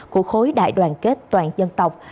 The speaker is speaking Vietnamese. của khối đại đoàn kết toàn dân tộc